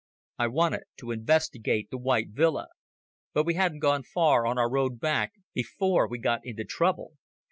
I wanted to investigate the white villa. But we hadn't gone far on our road back before we got into trouble.